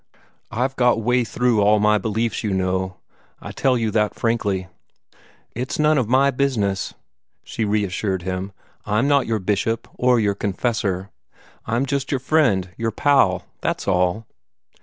I've got way through all my beliefs, you know. I tell you that frankly." "It's none of my business," she reassured him. "I'm not your Bishop, or your confessor. I'm just your friend, your pal, that's all."